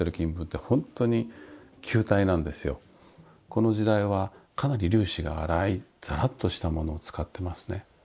この時代はかなり粒子が粗いざらっとしたものを使ってますね。